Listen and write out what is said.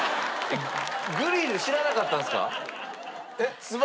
グリル知らなかったんですか？